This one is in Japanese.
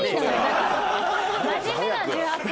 真面目なの１８歳。